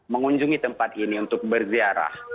mengunjungi tempat ini untuk berziarah